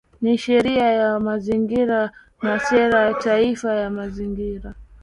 Ni sheria ya Mazingira na Sera ya Taifa ya Mazingira